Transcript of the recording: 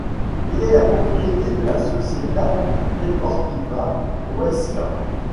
Il est la propriété de la Sociedad Deportiva Huesca.